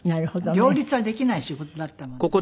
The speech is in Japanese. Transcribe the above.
両立はできない仕事だったもんですから。